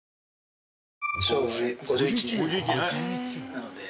なので。